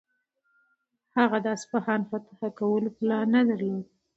هغه د اصفهان فتح کولو پلان نه درلود.